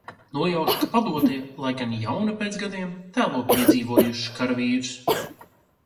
Nojaušu, ka padotie, lai gan jauni pēc gadiem, tēlo piedzīvojušus karavīrus.